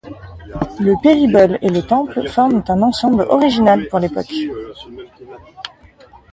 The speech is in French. Le péribole et le temple forment un ensemble original pour l'époque.